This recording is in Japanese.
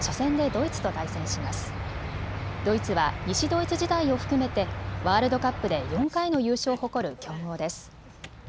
ドイツは西ドイツ時代を含めてワールドカップで４回の優勝を誇る強豪です。